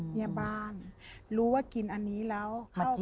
เนี่ยบ้านรู้ว่ากินอันนี้แล้วเข้าไปเป็นพิษ